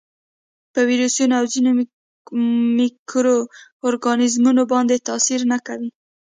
په ویروسونو او ځینو مایکرو ارګانیزمونو باندې تاثیر نه کوي.